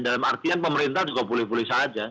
dalam artian pemerintah juga boleh boleh saja